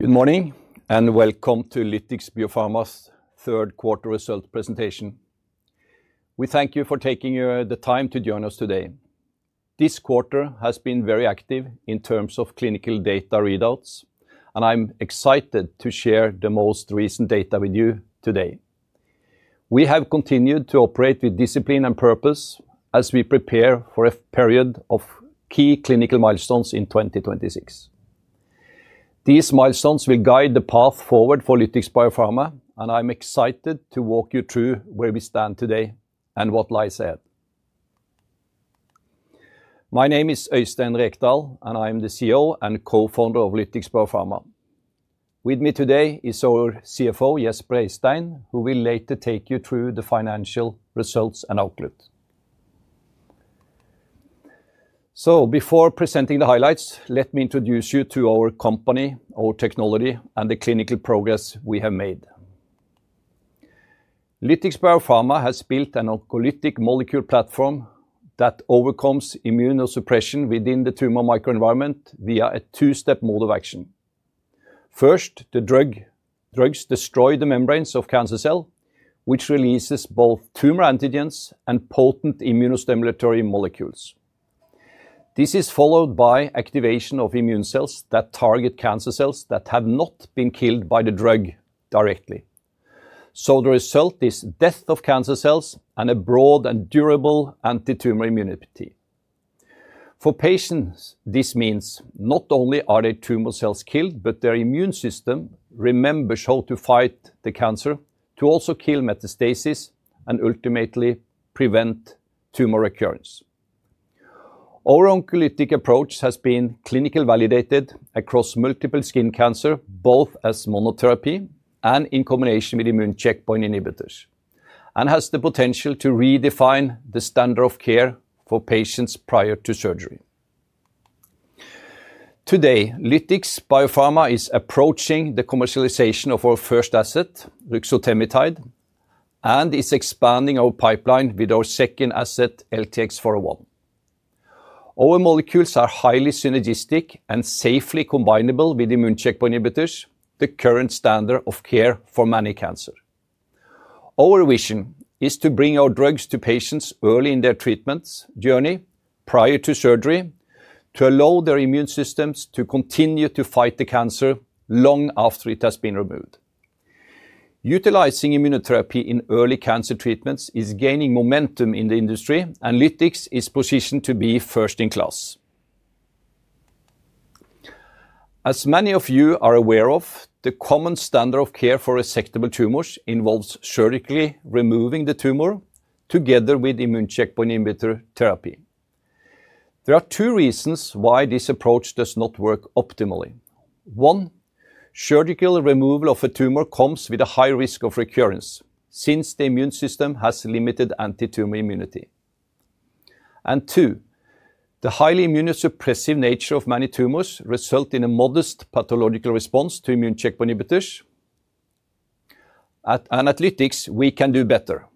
Good morning, and welcome to Lytix Biopharma's third quarter result presentation. We thank you for taking the time to join us today. This quarter has been very active in terms of clinical data readouts, and I'm excited to share the most recent data with you today. We have continued to operate with discipline and purpose as we prepare for a period of key clinical milestones in 2026. These milestones will guide the path forward for Lytix Biopharma, and I'm excited to walk you through where we stand today and what lies ahead. My name is Øystein Rekdal, and I'm the CEO and co-founder of Lytix Biopharma. With me today is our CFO, Gjest Breistein, who will later take you through the financial results and outlook. Before presenting the highlights, let me introduce you to our company, our technology, and the clinical progress we have made. Lytix Biopharma has built an oncolytic molecule platform that overcomes immunosuppression within the tumor microenvironment via a two-step mode of action. First, the drugs destroy the membranes of cancer cells, which releases both tumor antigens and potent immunostimulatory molecules. This is followed by activation of immune cells that target cancer cells that have not been killed by the drug directly. The result is death of cancer cells and a broad and durable anti-tumor immunity. For patients, this means not only are their tumor cells killed, but their immune system remembers how to fight the cancer to also kill metastases and ultimately prevent tumor recurrence. Our oncolytic approach has been clinically validated across multiple skin cancers, both as monotherapy and in combination with immune checkpoint inhibitors, and has the potential to redefine the standard of care for patients prior to surgery. Today, Lytix Biopharma is approaching the commercialization of our first asset, ruxotemitide, and is expanding our pipeline with our second asset, LTX-401. Our molecules are highly synergistic and safely combinable with immune checkpoint inhibitors, the current standard of care for many cancers. Our vision is to bring our drugs to patients early in their treatment journey prior to surgery to allow their immune systems to continue to fight the cancer long after it has been removed. Utilizing immunotherapy in early cancer treatments is gaining momentum in the industry, and Lytix is positioned to be first in class. As many of you are aware of, the common standard of care for resectable tumors involves surgically removing the tumor together with immune checkpoint inhibitor therapy. There are two reasons why this approach does not work optimally. One, surgical removal of a tumor comes with a high risk of recurrence since the immune system has limited anti-tumor immunity. Two, the highly immunosuppressive nature of many tumors results in a modest pathological response to immune checkpoint inhibitors. At Lytix, we can do better.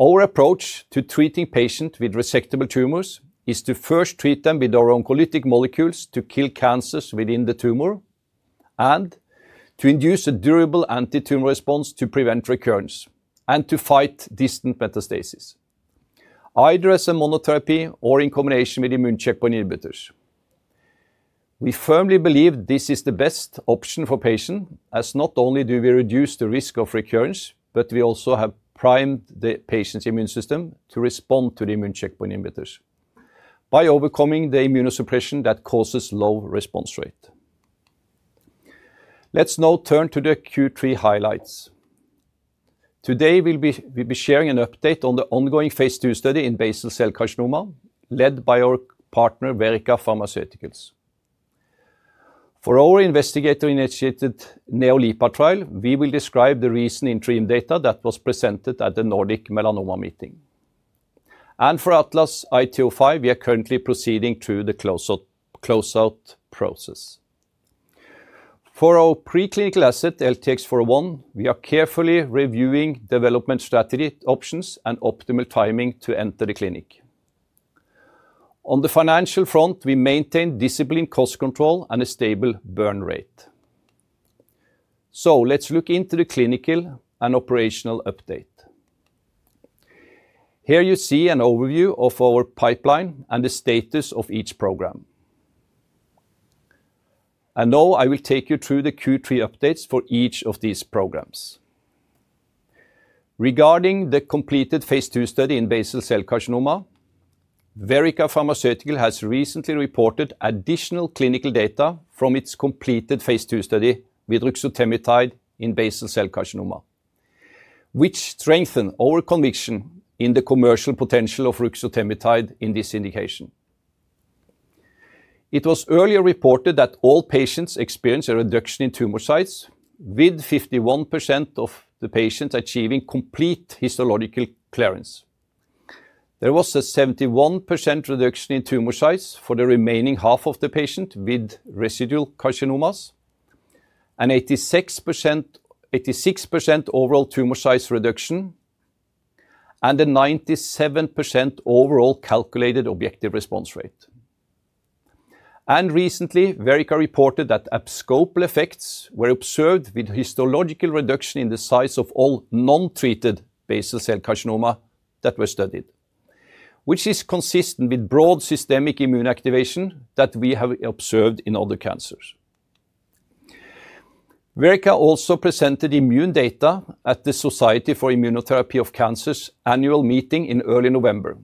Our approach to treating patients with resectable tumors is to first treat them with our oncolytic molecules to kill cancers within the tumor and to induce a durable anti-tumor response to prevent recurrence and to fight distant metastases, either as a monotherapy or in combination with immune checkpoint inhibitors. We firmly believe this is the best option for patients, as not only do we reduce the risk of recurrence, but we also have primed the patient's immune system to respond to the immune checkpoint inhibitors by overcoming the immunosuppression that causes low response rate. Let's now turn to the Q3 highlights. Today, we'll be sharing an update on the ongoing phase II study in basal cell carcinoma led by our partner, Verrica Pharmaceuticals. For our investigator-initiated NeoLipa trial, we will describe the recent interim data that was presented at the Nordic Melanoma Meeting. For ATLAS ITO5, we are currently proceeding through the closeout process. For our preclinical asset, LTX-401, we are carefully reviewing development strategy options and optimal timing to enter the clinic. On the financial front, we maintain discipline, cost control, and a stable burn rate. Let's look into the clinical and operational update. Here you see an overview of our pipeline and the status of each program. I will take you through the Q3 updates for each of these programs. Regarding the completed phase II study in basal cell carcinoma, Verrica Pharmaceuticals has recently reported additional clinical data from its completed phase II study with ruxotemitide in basal cell carcinoma, which strengthens our conviction in the commercial potential of ruxotemitide in this indication. It was earlier reported that all patients experienced a reduction in tumor size, with 51% of the patients achieving complete histological clearance. There was a 71% reduction in tumor size for the remaining half of the patients with residual carcinomas, an 86% overall tumor size reduction, and a 97% overall calculated objective response rate. Recently, Verrica reported that abscopal effects were observed with histological reduction in the size of all non-treated basal cell carcinomas that were studied, which is consistent with broad systemic immune activation that we have observed in other cancers. Verrica also presented immune data at the Society for Immunotherapy of Cancer's annual meeting in early November.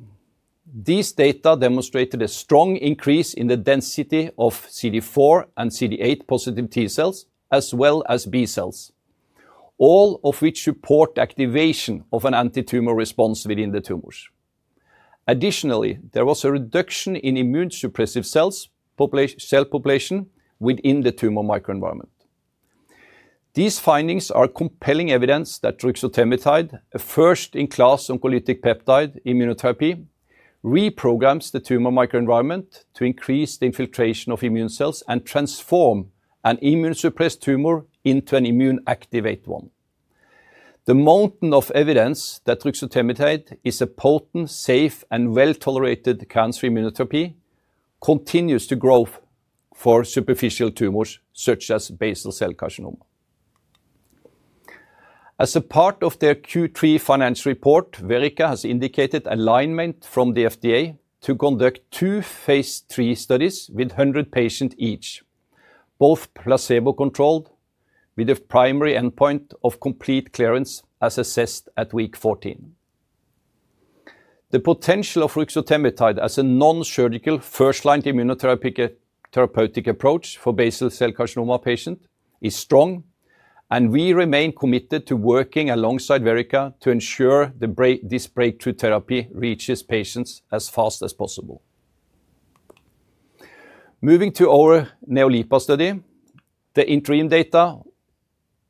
These data demonstrated a strong increase in the density of CD4 and CD8 positive T cells, as well as B cells, all of which support activation of an anti-tumor response within the tumors. Additionally, there was a reduction in immunosuppressive cell population within the tumor microenvironment. These findings are compelling evidence that ruxotemitide, a first-in-class oncolytic peptide immunotherapy, reprograms the tumor microenvironment to increase the infiltration of immune cells and transform an immunosuppressed tumor into an immune-activated one. The mountain of evidence that ruxotemitide is a potent, safe, and well-tolerated cancer immunotherapy continues to grow for superficial tumors such as basal cell carcinoma. As a part of their Q3 financial report, Verrica has indicated alignment from the FDA to conduct two phase III studies with 100 patients each, both placebo-controlled, with a primary endpoint of complete clearance as assessed at week 14. The potential of ruxotemitide as a non-surgical first-line immunotherapeutic approach for basal cell carcinoma patients is strong, and we remain committed to working alongside Verrica to ensure this breakthrough therapy reaches patients as fast as possible. Moving to our NeoLipa study, the interim data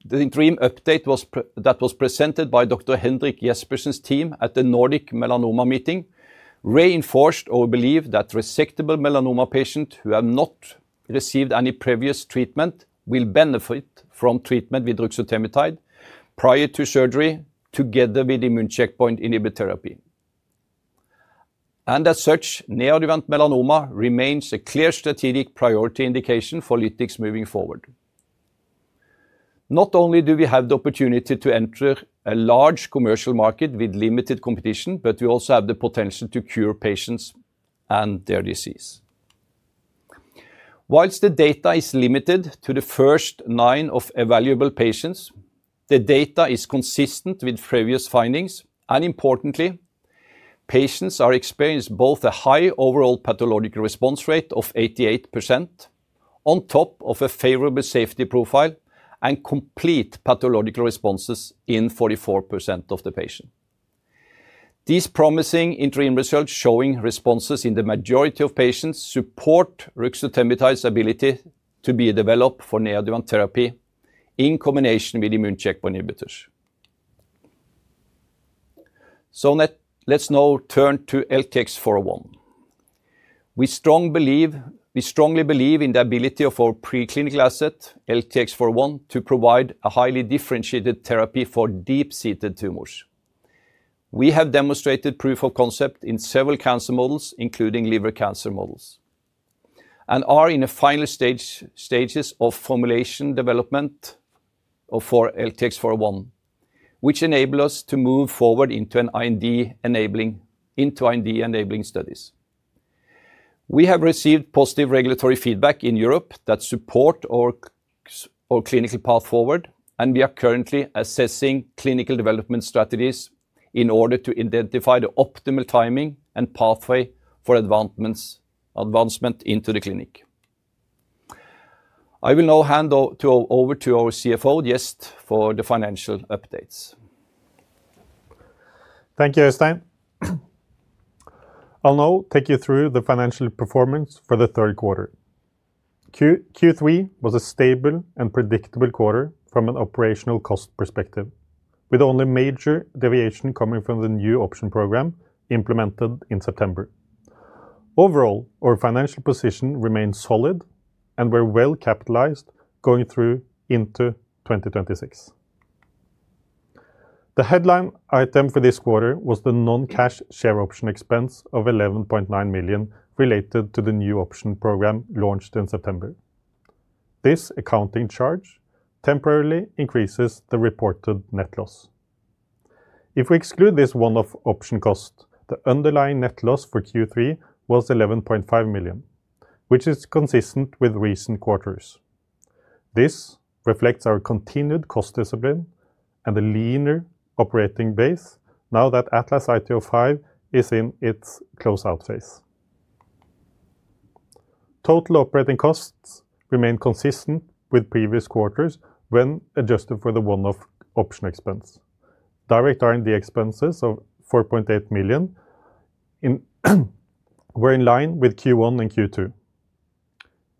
that was presented by Dr. Hendrik Gjest Breistein's team at the Nordic Melanoma Meeting reinforced our belief that resectable melanoma patients who have not received any previous treatment will benefit from treatment with ruxotemitide prior to surgery together with immune checkpoint inhibitor therapy. Neoadjuvant melanoma remains a clear strategic priority indication for Lytix moving forward. Not only do we have the opportunity to enter a large commercial market with limited competition, but we also have the potential to cure patients and their disease. Whilst the data is limited to the first nine of evaluable patients, the data is consistent with previous findings, and importantly, patients are experiencing both a high overall pathological response rate of 88% on top of a favorable safety profile and complete pathological responses in 44% of the patients. These promising interim results showing responses in the majority of patients support ruxotemitide's ability to be developed for neoadjuvant therapy in combination with immune checkpoint inhibitors. Let's now turn to LTX-401. We strongly believe in the ability of our preclinical asset, LTX-401, to provide a highly differentiated therapy for deep-seated tumors. We have demonstrated proof of concept in several cancer models, including liver cancer models, and are in the final stages of formulation development for LTX-401, which enables us to move forward into IND-enabling studies. We have received positive regulatory feedback in Europe that supports our clinical path forward, and we are currently assessing clinical development strategies in order to identify the optimal timing and pathway for advancement into the clinic. I will now hand over to our CFO, Gjest, for the financial updates. Thank you, Øystein. I'll now take you through the financial performance for the third quarter. Q3 was a stable and predictable quarter from an operational cost perspective, with only major deviation coming from the new option program implemented in September. Overall, our financial position remained solid and was well capitalized going through into 2026. The headline item for this quarter was the non-cash share option expense of 11.9 million related to the new option program launched in September. This accounting charge temporarily increases the reported net loss. If we exclude this one-off option cost, the underlying net loss for Q3 was 11.5 million, which is consistent with recent quarters. This reflects our continued cost discipline and a leaner operating base now that ATLAS ITO5 is in its closeout phase. Total operating costs remained consistent with previous quarters when adjusted for the one-off option expense. Direct R&D expenses of 4.8 million were in line with Q1 and Q2.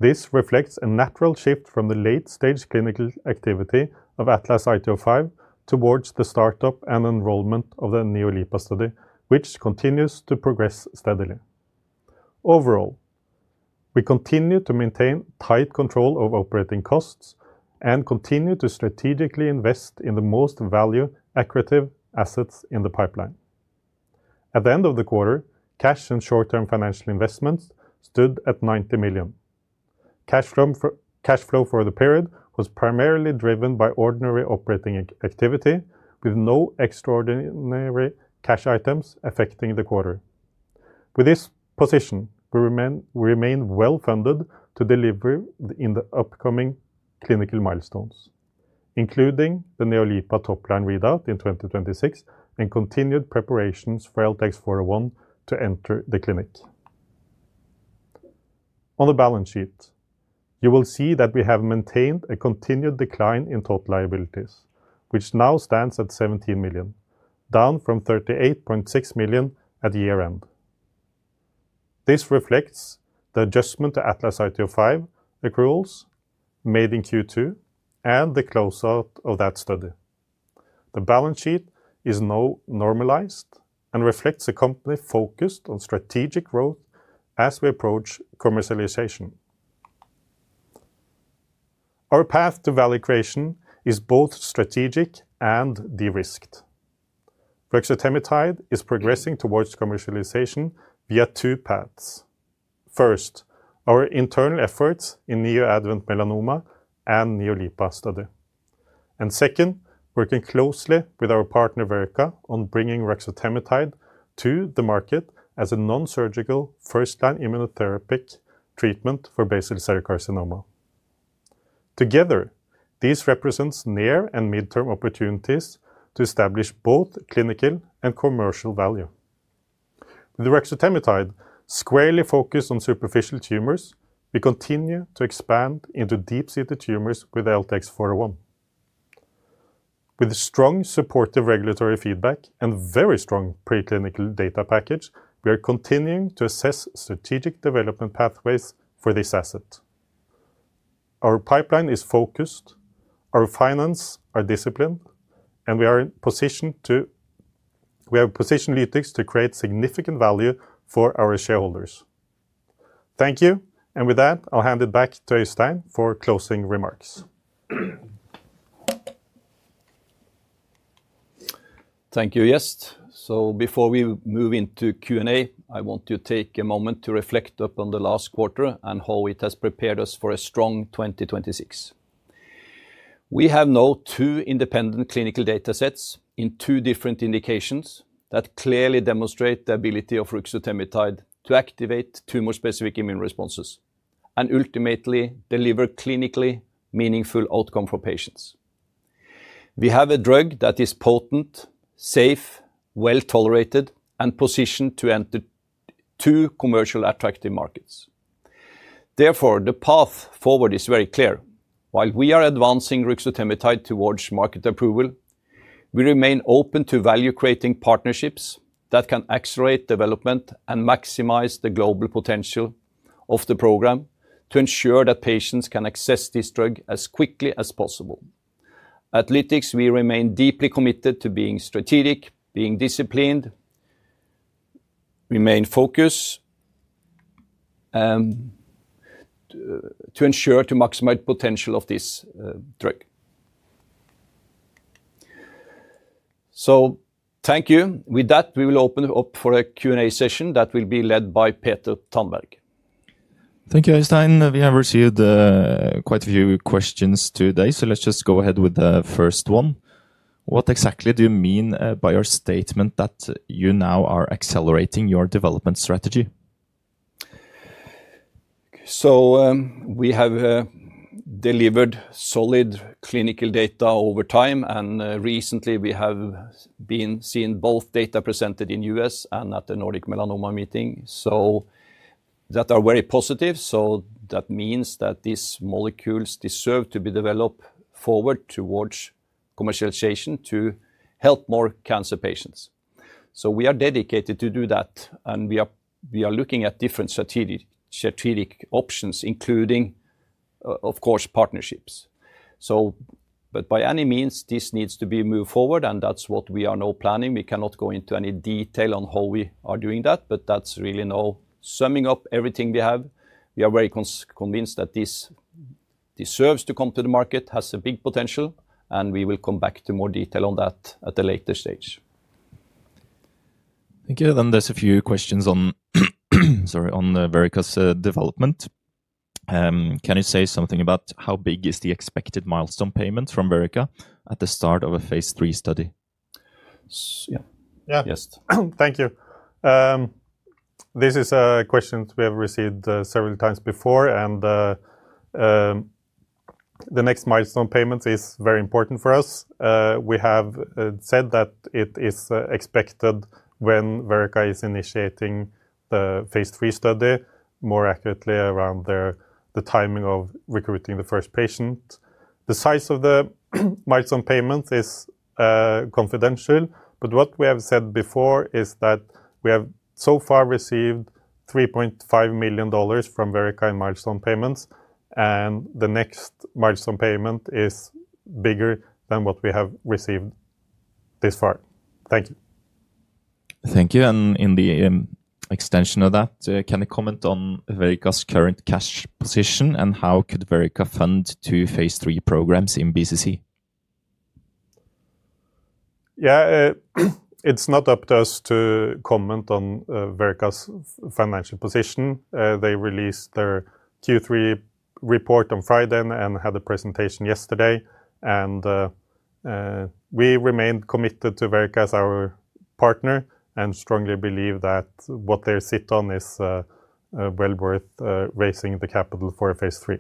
This reflects a natural shift from the late-stage clinical activity of ATLAS ITO5 towards the startup and enrollment of the NeoLipa study, which continues to progress steadily. Overall, we continue to maintain tight control of operating costs and continue to strategically invest in the most value-accurate assets in the pipeline. At the end of the quarter, cash and short-term financial investments stood at 90 million. Cash flow for the period was primarily driven by ordinary operating activity, with no extraordinary cash items affecting the quarter. With this position, we remain well-funded to deliver in the upcoming clinical milestones, including the NeoLipa top-line readout in 2026 and continued preparations for LTX-401 to enter the clinic. On the balance sheet, you will see that we have maintained a continued decline in total liabilities, which now stands at 17 million, down from 38.6 million at year-end. This reflects the adjustment to ATLAS ITO5 accruals made in Q2 and the closeout of that study. The balance sheet is now normalized and reflects a company focused on strategic growth as we approach commercialization. Our path to value creation is both strategic and de-risked. Ruxotemitide is progressing towards commercialization via two paths. First, our internal efforts in neoadjuvant melanoma and NeoLipa study. Second, working closely with our partner, Verrica, on bringing ruxotemitide to the market as a non-surgical first-line immunotherapic treatment for basal cell carcinoma. Together, this represents near and mid-term opportunities to establish both clinical and commercial value. With ruxotemitide squarely focused on superficial tumors, we continue to expand into deep-seated tumors with LTX-401. With strong supportive regulatory feedback and a very strong preclinical data package, we are continuing to assess strategic development pathways for this asset. Our pipeline is focused, our finance is disciplined, and we are positioned to create significant value for our shareholders. Thank you. I'll hand it back to Øystein for closing remarks. Thank you, Gjest. Before we move into Q&A, I want to take a moment to reflect upon the last quarter and how it has prepared us for a strong 2026. We have now two independent clinical data sets in two different indications that clearly demonstrate the ability of ruxotemitide to activate tumor-specific immune responses and ultimately deliver clinically meaningful outcomes for patients. We have a drug that is potent, safe, well-tolerated, and positioned to enter two commercially attractive markets. Therefore, the path forward is very clear. While we are advancing ruxotemitide towards market approval, we remain open to value-creating partnerships that can accelerate development and maximize the global potential of the program to ensure that patients can access this drug as quickly as possible. At Lytix, we remain deeply committed to being strategic, being disciplined, and remain focused to ensure the maximum potential of this drug. Thank you. With that, we will open up for a Q&A session that will be led by Peter Tunberg. Thank you, Øystein. We have received quite a few questions today, so let's just go ahead with the first one. What exactly do you mean by your statement that you now are accelerating your development strategy? We have delivered solid clinical data over time, and recently, we have been seeing both data presented in the U.S. and at the Nordic Melanoma Meeting that are very positive. That means that these molecules deserve to be developed forward towards commercialization to help more cancer patients. We are dedicated to do that, and we are looking at different strategic options, including, of course, partnerships. By any means, this needs to be moved forward, and that's what we are now planning. We cannot go into any detail on how we are doing that, but that's really now summing up everything we have. We are very convinced that this deserves to come to the market, has a big potential, and we will come back to more detail on that at a later stage. Thank you. There is a few questions on Verrica's development. Can you say something about how big the expected milestone payment from Verrica at the start of a phase III study? Yeah. Gjest. Thank you. This is a question we have received several times before, and the next milestone payment is very important for us. We have said that it is expected when Verrica is initiating the phase III study, more accurately around the timing of recruiting the first patient. The size of the milestone payment is confidential, but what we have said before is that we have so far received $3.5 million from Verrica in milestone payments, and the next milestone payment is bigger than what we have received this far. Thank you. Thank you. In the extension of that, can you comment on Verrica's current cash position and how could Verrica fund two phase III programs in BCC? Yeah, it's not up to us to comment on Verrica's financial position. They released their Q3 report on Friday and had a presentation yesterday. We remain committed to Verrica as our partner and strongly believe that what they sit on is well worth raising the capital for phase III.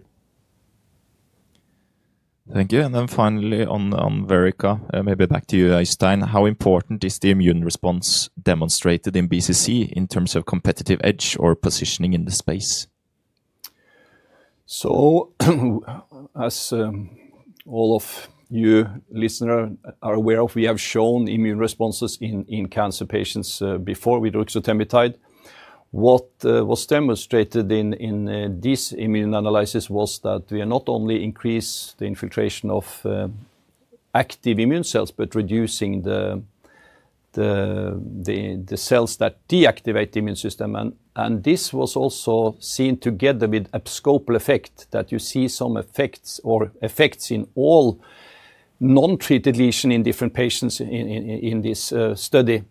Thank you. And then finally, on Verrica, maybe back to you, Øystein. How important is the immune response demonstrated in BCC in terms of competitive edge or positioning in the space? As all of you listeners are aware of, we have shown immune responses in cancer patients before with ruxotemitide. What was demonstrated in this immune analysis was that we are not only increasing the infiltration of active immune cells, but reducing the cells that deactivate the immune system. This was also seen together with abscopal effect that you see some effects or effects in all non-treated lesions in different patients in this study,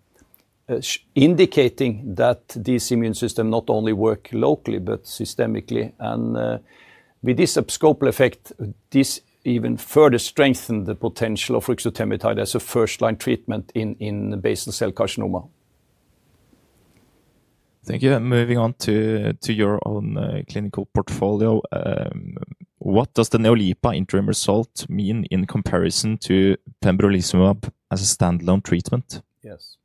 indicating that this immune system not only works locally, but systemically. With this abscopal effect, this even further strengthens the potential of ruxotemitide as a first-line treatment in basal cell carcinoma. Thank you. Moving on to your own clinical portfolio, what does the NeoLipa interim result mean in comparison to pembrolizumab as a standalone treatment? Yes.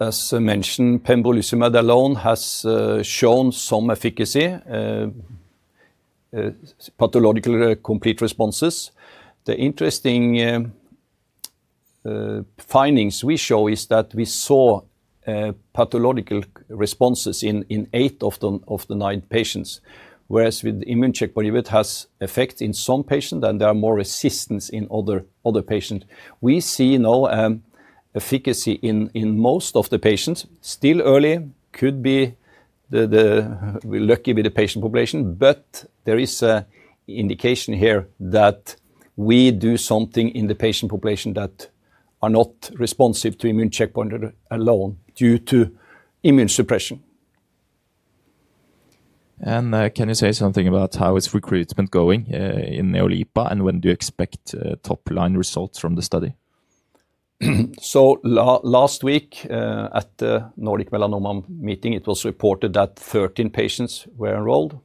As mentioned, pembrolizumab alone has shown some efficacy, pathological complete responses. The interesting findings we show is that we saw pathological responses in eight of the nine patients, whereas with immune checkpoint, it has effect in some patients, and there are more resistance in other patients. We see no efficacy in most of the patients. Still early, could be lucky with the patient population, but there is an indication here that we do something in the patient population that is not responsive to immune checkpoint alone due to immune suppression. Can you say something about how is recruitment going in NeoLipa, and when do you expect top-line results from the study? Last week, at the Nordic Melanoma Meeting, it was reported that 13 patients were enrolled.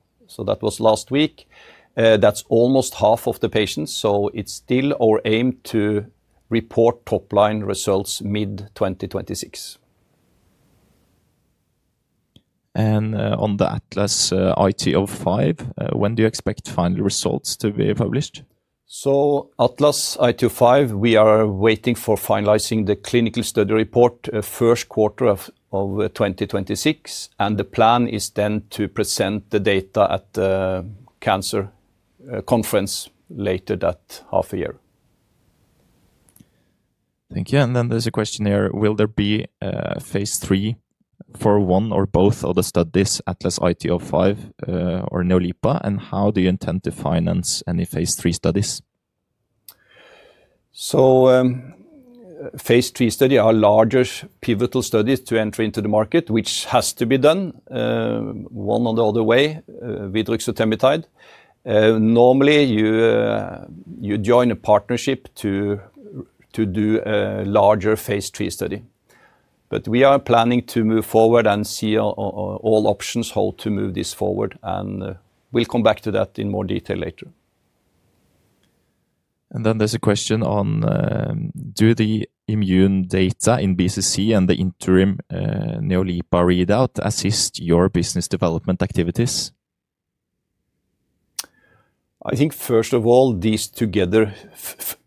That was last week. That's almost half of the patients. It's still our aim to report top-line results mid-2026. On the ATLAS ITO5, when do you expect final results to be published? ATLAS ITO5, we are waiting for finalizing the clinical study report first quarter of 2026, and the plan is then to present the data at the cancer conference later that half a year. Thank you. There is a question here. Will there be phase III for one or both of the studies, ATLAS ITO5 or NeoLipa, and how do you intend to finance any phase III studies? Phase III studies are larger pivotal studies to enter into the market, which has to be done one or the other way with ruxotemitide. Normally, you join a partnership to do a larger phase III study, but we are planning to move forward and see all options how to move this forward, and we'll come back to that in more detail later. There's a question on do the immune data in BCC and the interim NeoLipa readout assist your business development activities? I think, first of all, these together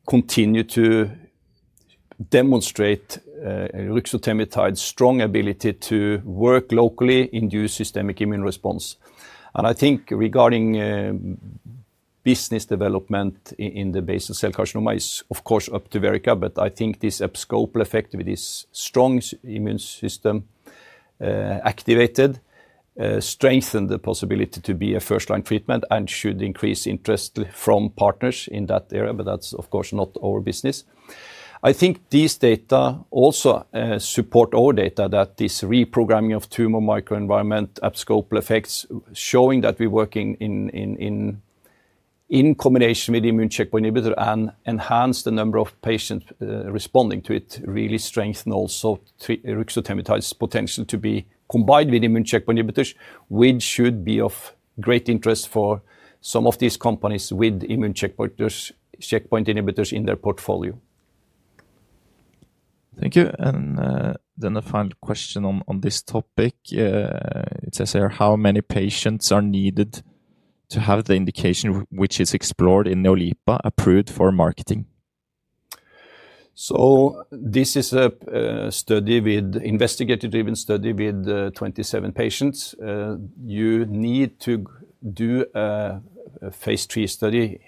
continue to demonstrate ruxotemitide's strong ability to work locally and induce systemic immune response. I think regarding business development in the basal cell carcinoma is, of course, up to Verrica, but I think this abscopal effect with this strong immune system activated strengthens the possibility to be a first-line treatment and should increase interest from partners in that area, but that's, of course, not our business. I think these data also support our data that this reprogramming of tumor microenvironment, abscopal effects showing that we're working in combination with immune checkpoint inhibitors and enhance the number of patients responding to it, really strengthen also ruxotemitide's potential to be combined with immune checkpoint inhibitors, which should be of great interest for some of these companies with immune checkpoint inhibitors in their portfolio. Thank you. And then a final question on this topic. It says here how many patients are needed to have the indication which is explored in NeoLipa approved for marketing? This is a study with an investigator-driven study with 27 patients. You need to do a phase III study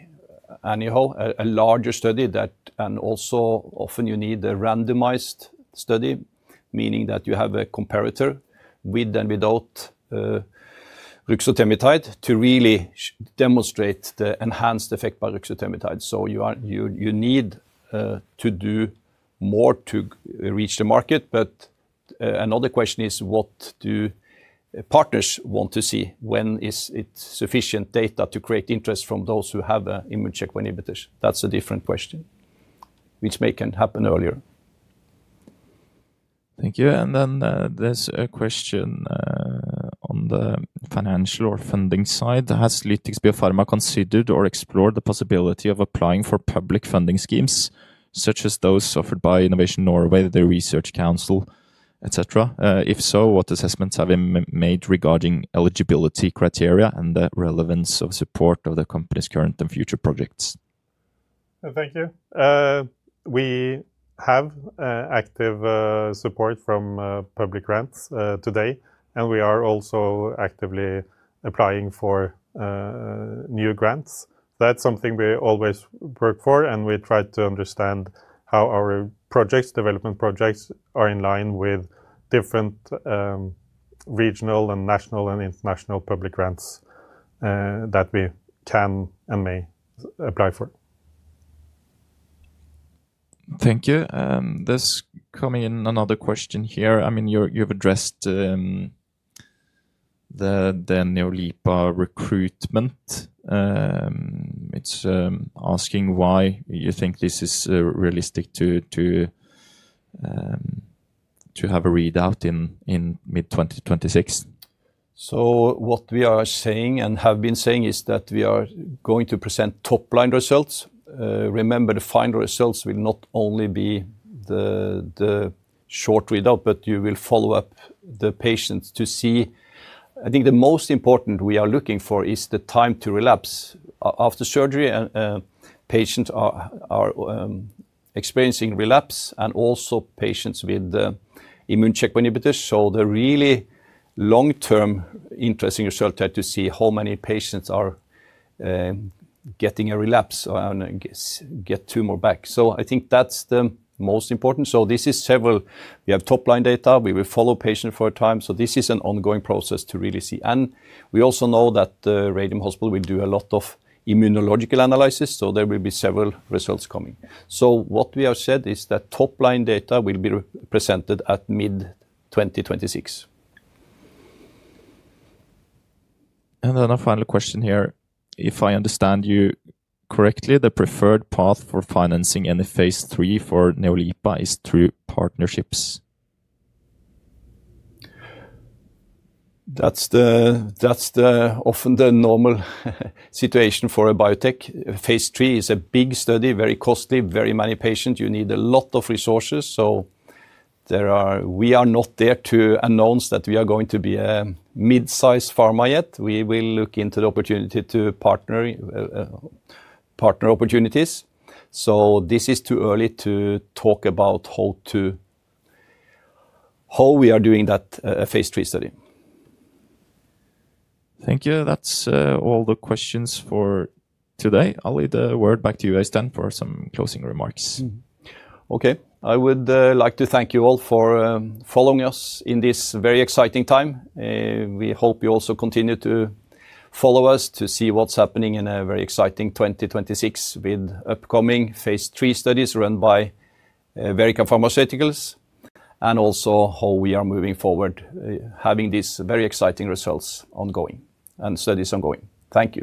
anyhow, a larger study that, and also often you need a randomized study, meaning that you have a comparator with and without ruxotemitide to really demonstrate the enhanced effect by ruxotemitide. You need to do more to reach the market, but another question is what do partners want to see? When is it sufficient data to create interest from those who have immune checkpoint inhibitors? That is a different question, which may happen earlier. Thank you. There is a question on the financial or funding side. Has Lytix Biopharma considered or explored the possibility of applying for public funding schemes such as those offered by Innovation Norway, the Research Council, et cetera? If so, what assessments have been made regarding eligibility criteria and the relevance of support of the company's current and future projects? Thank you. We have active support from public grants today, and we are also actively applying for new grants. That's something we always work for, and we try to understand how our projects, development projects, are in line with different regional and national and international public grants that we can and may apply for. Thank you. There's coming in another question here. I mean, you've addressed the NeoLipa recruitment. It's asking why you think this is realistic to have a readout in mid-2026. What we are saying and have been saying is that we are going to present top-line results. Remember, the final results will not only be the short readout, but you will follow up the patients to see. I think the most important we are looking for is the time to relapse after surgery. Patients are experiencing relapse and also patients with immune checkpoint inhibitors. The really long-term interesting result is to see how many patients are getting a relapse and get tumor back. I think that's the most important. This is several. We have top-line data. We will follow patients for a time. This is an ongoing process to really see. We also know that the Radium Hospital will do a lot of immunological analysis, so there will be several results coming. What we have said is that top-line data will be presented at mid-2026. A final question here. If I understand you correctly, the preferred path for financing any phase III for NeoLipa is through partnerships. That's often the normal situation for a biotech. Phase III is a big study, very costly, very many patients. You need a lot of resources. We are not there to announce that we are going to be a mid-size pharma yet. We will look into the opportunity to partner opportunities. This is too early to talk about how we are doing that phase III study. Thank you. That's all the questions for today. I'll leave the word back to you, Øystein, for some closing remarks. Okay. I would like to thank you all for following us in this very exciting time. We hope you also continue to follow us to see what's happening in a very exciting 2026 with upcoming phase III studies run by Verrica Pharmaceuticals and also how we are moving forward, having these very exciting results ongoing and studies ongoing. Thank you.